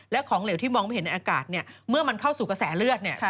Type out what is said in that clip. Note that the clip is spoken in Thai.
และของเหลวที่มองไม่เห็นในอากาศเนี่ยเมื่อมันเข้าสู่กระแสเลือดเนี่ย